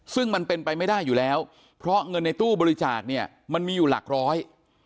ซึ่งมันเป็นไปไม่ได้อยู่แล้วเพราะเงินในตู้บริจาคเนี่ยมันมีอยู่หลักร้อย